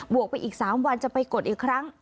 วกไปอีก๓วันจะไปกดอีกครั้ง